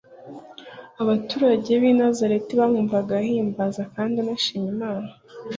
Abaturage b'I Nazareti bamwumvaga ahimbaza kandi anashima Imana.